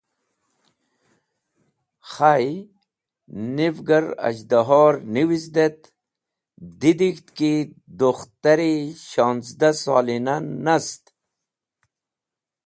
Khay, niv gar az̃hdahor niwizd et didig̃hd ki dukhtar-e shonzdah solina nast.